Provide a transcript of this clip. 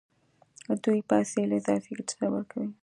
دوی پیسې له اضافي ګټې سره ورکوي